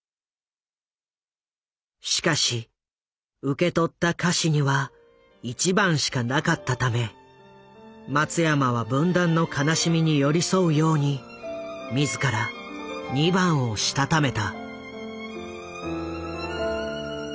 しかし受け取った歌詞には１番しかなかったため松山は分断の悲しみに寄り添うように自ら２番をしたためた。